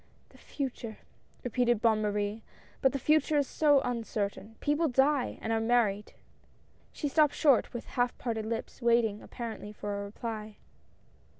" The Future !" repeated Bonne Marie ; but the Future is so uncertain — people die — and are married 5? She stopped short, with half parted lips, waiting, apparently, for a reply.